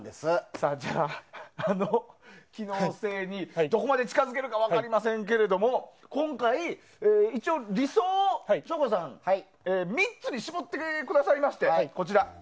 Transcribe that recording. あの機能性にどこまで近づけるか分かりませんけれども今回、理想を省吾さん３つに絞ってきてくださいました。